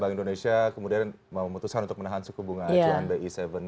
bank indonesia kemudian memutuskan untuk menahan suku bunga acuan